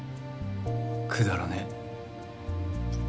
くだらねえ。